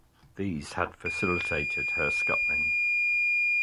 These had facilitated her scuttling.